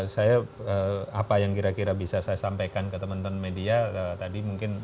saya apa yang kira kira bisa saya sampaikan ke teman teman media tadi mungkin